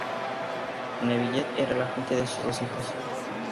Neville era el agente de sus dos hijos.